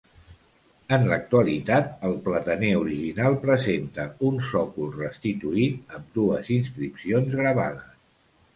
En l'actualitat, el plataner original presenta un sòcol restituït amb dues inscripcions gravades.